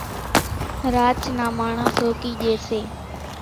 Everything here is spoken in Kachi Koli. راچ نان ماڻۿان سوڪِي ڄيَ سي۔